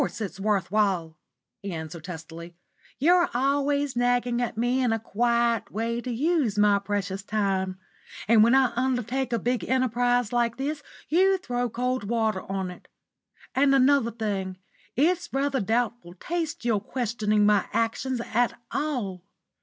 "Of course it's worth while," he answered testily. "You're always nagging at me in a quiet way to use my precious time; and when I undertake a big enterprise like this you throw cold water on it. And another thing: it's rather doubtful taste your questioning my actions at all.